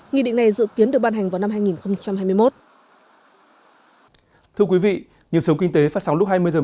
nghị định này dự kiến được ban hành vào năm hai nghìn hai mươi một